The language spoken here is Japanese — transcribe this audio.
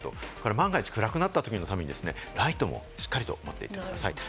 万が一、暗くなったときのためにライトもしっかり持って行ってくださいと。